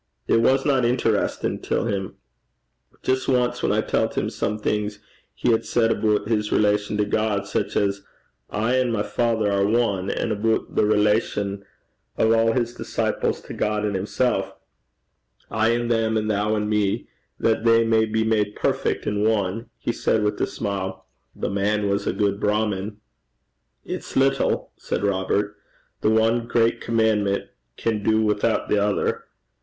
It wasna interesstin' till him. Just ance whan I tellt him some things he had said aboot his relation to God sic as, "I and my Father are one," and aboot the relation o' a' his disciples to God and himsel' "I in them, and thou in me, that they may be made perfect in one," he said, wi' a smile, "The man was a good Brahmin." 'It's little,' said Robert, 'the one great commandment can do withoot the other.